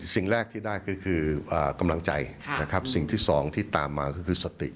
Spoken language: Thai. สิ่งแรกที่ได้คือกำลังใจสิ่งที่สองที่ตามมาคือสติ